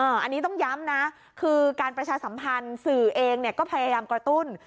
อันนี้ต้องย้ำนะคือการประชาสัมพันธ์สื่อเองก็พยายามกระตุ้น